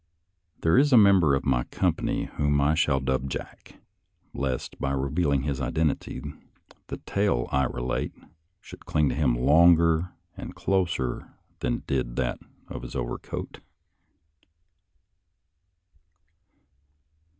«««*« There is a member of my company whom I shall dub Jack, lest, by revealing his identity, the tale I relate should cling to him longer and closer than did that of his overcoat.